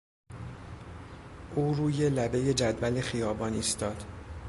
او روی لبهی جدول خیابان ایستاد.